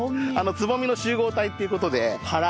つぼみの集合体っていう事で花蕾。